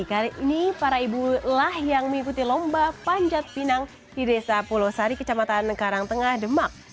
kali ini para ibu lah yang mengikuti lomba panjat pinang di desa pulau sari kecamatan karangtengah demak